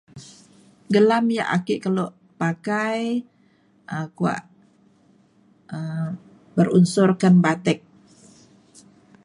gelam yak ake kelo pakai um kuak um berunsurkan batik